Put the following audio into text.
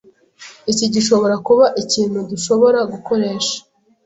Iki gishobora kuba ikintu dushobora gukoresha.